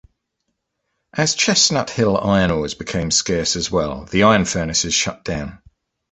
As Chestnut Hill iron ores became scarce as well, the iron furnaces shut down.